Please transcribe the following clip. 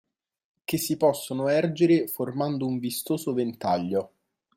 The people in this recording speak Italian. Che si possono ergere formando un vistoso ventaglio.